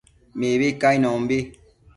Mibi cainonbi